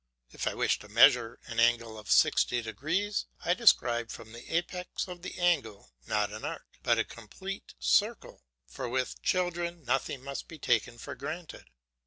If I wish to measure an angle of 60 degrees I describe from the apex of the angle, not an arc, but a complete circle, for with children nothing must be taken for granted.